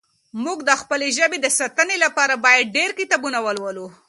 موږ د خپلې ژبې د ساتنې لپاره باید ډېر کتابونه ولولو.